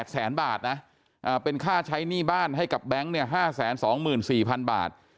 แสนบาทนะเป็นค่าใช้หนี้บ้านให้กับแบงค์๕๒๔๐๐๐บาท